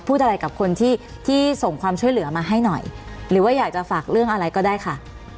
พูดอะไรกับคนที่ที่ส่งความช่วยเหลือมาให้หน่อยหรือว่าอยากจะฝากเรื่องอะไรก็ได้ค่ะ